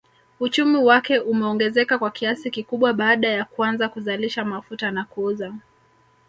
Uchumi wake umeongezeka kwa kiasi kikubwa baada ya kuanza kuzalisha mafuta na kuuza